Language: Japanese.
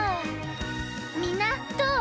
みんなどう？